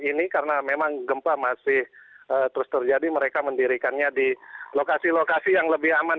ini karena memang gempa masih terus terjadi mereka mendirikannya di lokasi lokasi yang lebih aman